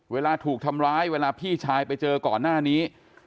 เวลาถูกทำร้ายเวลาพี่ชายไปเจอก่อนหน้านี้